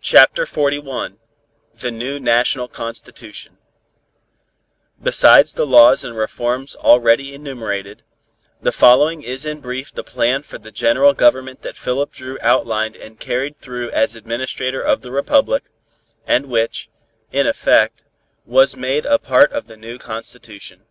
CHAPTER XLI THE NEW NATIONAL CONSTITUTION Besides the laws and reforms already enumerated, the following is in brief the plan for the General Government that Philip Dru outlined and carried through as Administrator of the Republic, and which, in effect, was made a part of the new constitution.